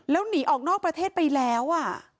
แล้วหนีออกนอกประเทศไปแล้ว